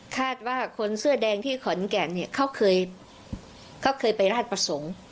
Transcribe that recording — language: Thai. คาดว่าคนเสื้อแดงที่ขอนแก่นเนี่ยเขาเคยไปราชประสงค์